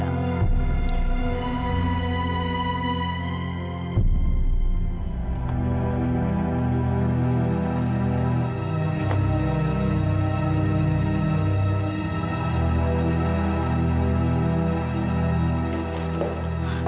kami akan berjalan